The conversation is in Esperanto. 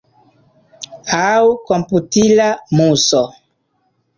Aŭ komputila muso.